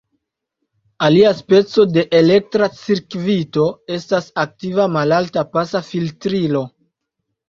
Alia speco de elektra cirkvito estas aktiva malalta-pasa filtrilo.